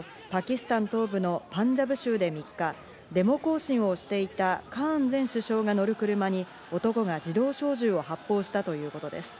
ＡＰ通信などによりますと、パキスタン東部のパンジャブ州で３日、デモ行進をしていた、カーン前首相が乗る車に男が自動小銃を発砲したということです。